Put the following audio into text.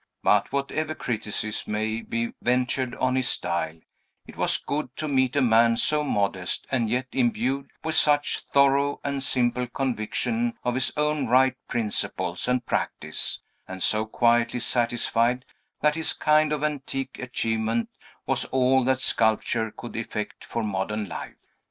But, whatever criticism may be ventured on his style, it was good to meet a man so modest and yet imbued with such thorough and simple conviction of his own right principles and practice, and so quietly satisfied that his kind of antique achievement was all that sculpture could effect for modern life.